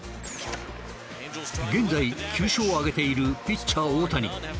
現在９勝を挙げているピッチャー大谷。